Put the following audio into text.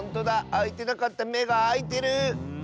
あいてなかっためがあいてる！